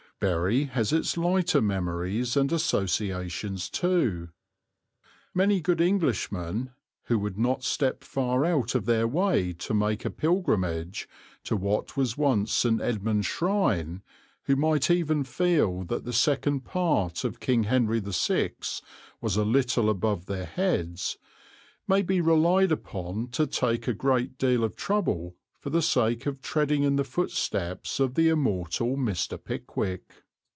Bury has its lighter memories and associations too. Many good Englishmen who would not step far out of their way to make a pilgrimage to what was once St. Edmund's shrine, who might even feel that the second part of King Henry VI was a little above their heads, may be relied upon to take a great deal of trouble for the sake of treading in the footsteps of the immortal Mr. Pickwick.